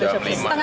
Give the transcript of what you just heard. saya kira kira siap